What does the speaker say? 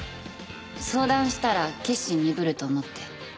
相談したら決心鈍ると思って。